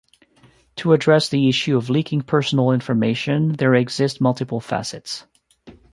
To address the issue of leaking personal information there exist multiple facets.